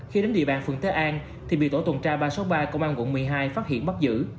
khi đến địa bàn phường thế an thì bị tổ tuần tra ba trăm sáu mươi ba công an quận một mươi hai phát hiện bắt giữ